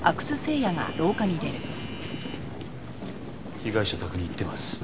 被害者宅に行ってます。